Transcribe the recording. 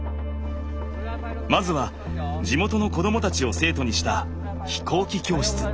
まずは地元の子供たちを生徒にした飛行機教室。